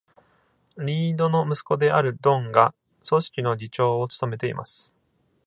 リードの息子であるドンが、組織の議長を務めています。